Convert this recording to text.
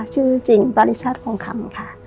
ชื่อจิงบริชาติองค์คำค่ะ